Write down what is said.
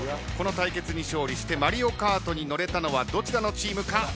この対決に勝利してマリオカートに乗れたのはどちらのチームか？